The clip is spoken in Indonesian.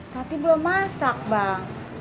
tati belum masak bang